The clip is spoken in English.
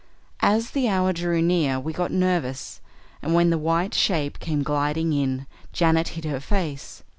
As the hour drew near we got nervous, and when the white shape came gliding in Janet hid her face.